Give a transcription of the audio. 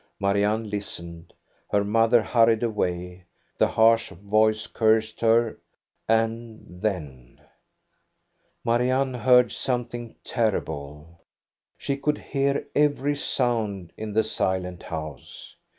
Marianne listened: her mother hurried away, the harsh voice cursed her and then — Marianne heard something terrible, — she could hear every sound in the silent house.